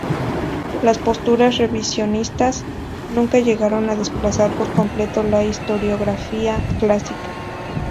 Las posturas revisionistas nunca llegaron a desplazar por completo la historiografía clásica.